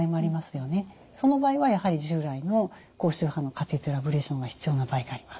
その場合はやはり従来の高周波のカテーテルアブレーションが必要な場合があります。